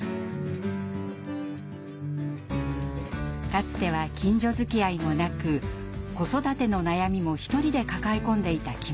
かつては近所づきあいもなく子育ての悩みも１人で抱え込んでいた木村さん。